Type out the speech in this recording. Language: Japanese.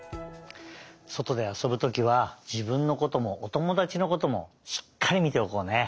そとであそぶときはじぶんのこともおともだちのこともしっかりみておこうね！